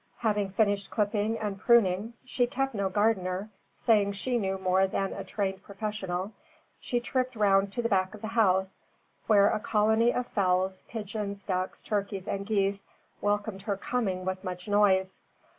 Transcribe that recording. Having finished clipping and pruning she kept no gardener, saying she knew more than a trained professional she tripped round to the back of the house, where a colony of fowls, pigeons, ducks, turkeys and geese welcomed her coming with much noise.